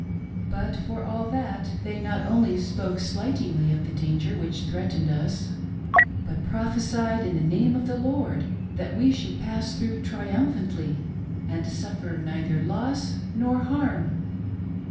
But, for all that, they not only spoke slightingly of the danger which threatened us, but prophesied in the name of the Lord, that we should pass through triumphantly and suffer neither loss nor harm.